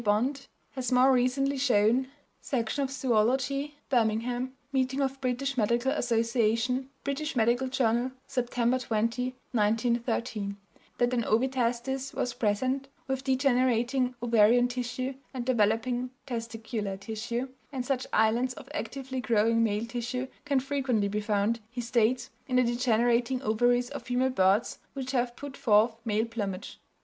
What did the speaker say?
Bond has more recently shown (Section of Zoölogy, Birmingham Meeting of British Medical Association, British Medical Journal, Sept. 20, 1913) that an ovi testis was present, with degenerating ovarian tissue and developing testicular tissue, and such islands of actively growing male tissue can frequently be found, he states, in the degenerating ovaries of female birds which have put forth male plumage.